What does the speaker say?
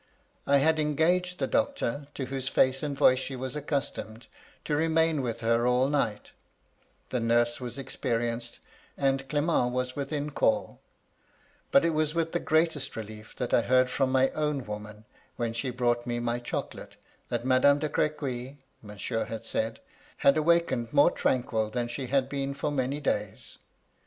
I had engaged the doctor, to whose feice and voice she was accustomed, to remain with her all night: the nurse was expe rienced, and Clement was within calL But it was with the greatest rehef that I heard from my own woman, when she brought me my chocolate, that Madame de Crequy (Monsieur had said) had awakened more tranquil than she had been for many days.